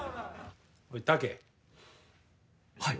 はい。